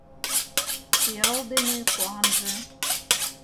Пиал дене куанже